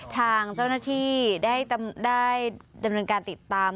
ทางเจ้าหน้าที่ได้ดำเนินการติดตาม